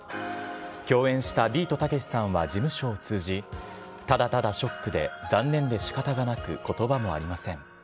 共演したビートたけしさんは事務所を通じ、ただただショックで、残念でしかたがなく、ことばもありません。